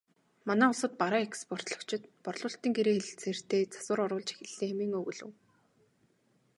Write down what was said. Манай улсад бараа экспортлогчид борлуулалтын гэрээ хэлэлцээртээ засвар оруулж эхэллээ хэмээн өгүүлэв.